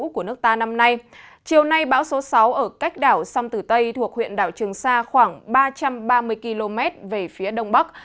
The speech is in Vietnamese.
chiều nay bão số sáu ở cách đảo sông tử tây thuộc huyện đảo trường sa khoảng ba trăm ba mươi km về phía đông bắc